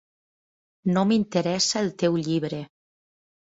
No m'interessa el teu llibre.